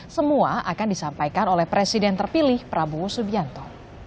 semua akan disampaikan oleh presiden terpilih prabowo subianto